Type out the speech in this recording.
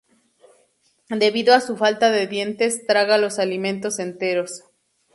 Debido a su falta de dientes, traga los alimentos enteros.